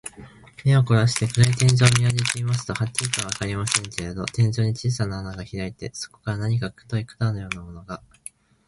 目をこらして、暗い天井を見あげていますと、はっきりとはわかりませんけれど、天井に小さな穴がひらいて、そこから何か太い管のようなものが、